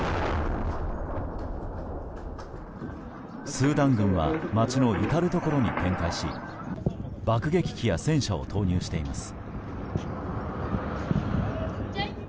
スーダン軍は街の至るところに展開し爆撃機や戦車を投入しています。